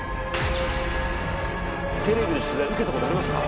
テレビの取材受けた事ありますか？